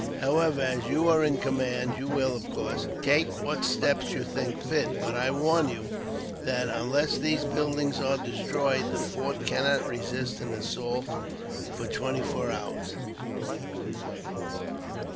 However, as you're in command you will, of course, take what steps you think fit; but I warn you that, unless those buildings are destroyed, the fort cannot resist an assault for twenty four hours."